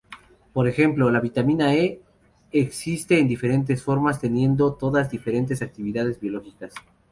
Por ejemplo, la vitamina E existe en diferentes formas, teniendo todas diferentes actividades biológicas.